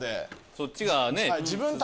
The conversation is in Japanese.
そっちがね？